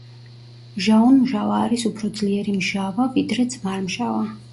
მჟაუნმჟავა არის უფრო ძლიერი მჟავა ვიდრე ძმარმჟავა.